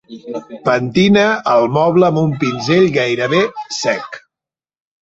Pentina el moble amb un pinzell gairebé sec.